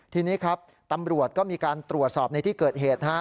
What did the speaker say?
ทีนี้ครับตำรวจก็มีการตรวจสอบในที่เกิดเหตุ